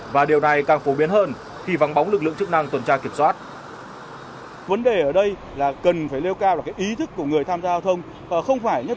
và điều này càng phổ biến hơn khi vắng bóng lực lượng chức năng tuần tra kiểm soát